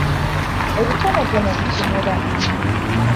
Ebitonotono ku Kimera.